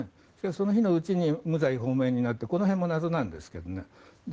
その日のうちに無罪放免になってこの辺も謎なんですけどね。